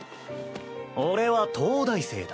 俺は東大生だ。